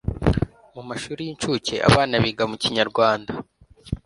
Mu mashuri y'incuke abana biga mu Kinyarwanda,